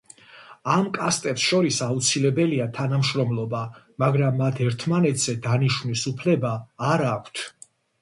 ამ კასტებს შორის აუცილებელია თანამშრომლობა, მაგრამ მათ ერთმანეთზე დანიშვნის უფლება არ აქვთ.